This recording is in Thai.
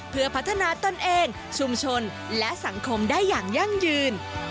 เพื่อพัฒนาตนเองชุมชนและสังคมได้อย่างยั่งยืน